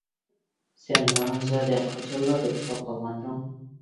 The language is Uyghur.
سەن ھارامزادە قاچانلاردا ئۇخلاپ قالغانىدىڭ؟